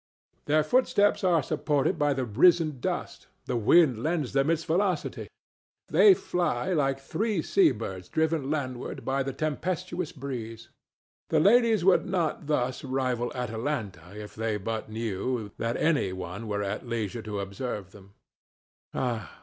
Their footsteps are supported by the risen dust, the wind lends them its velocity, they fly like three sea birds driven landward by the tempestuous breeze. The ladies would not thus rival Atalanta if they but knew that any one were at leisure to observe them.